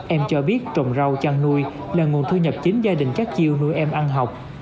em cho biết trồng rau chăn nuôi là nguồn thu nhập chính gia đình các chiêu nuôi em ăn học